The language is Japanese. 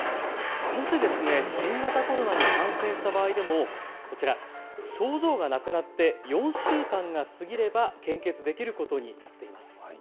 もし新型コロナに感染した場合でも、こちら、症状がなくなって４週間過ぎれば献血できることになっています。